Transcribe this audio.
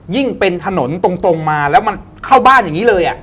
เป็นถนนตรงมาแล้วมันเข้าบ้านอย่างนี้เลย